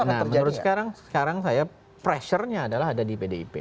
karena menurut sekarang saya pressure nya adalah ada di pdip